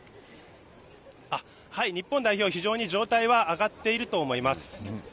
日本代表、非常に状態は上がっていると思います。